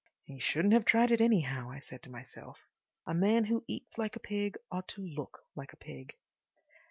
"He shouldn't have tried it, anyhow," I said to myself. "A man who eats like a pig ought to look like a pig."